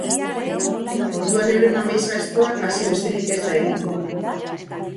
Orduan euren amesgaiztoa hasi besterik ez da egingo...